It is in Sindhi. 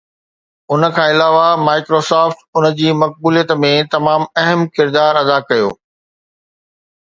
ان کان علاوه Microsoft ان جي مقبوليت ۾ تمام اهم ڪردار ادا ڪيو